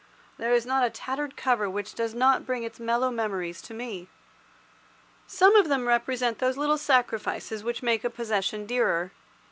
There is not a tattered cover which does not bring its mellow memories to me. Some of them represent those little sacrifices which make a possession dearer.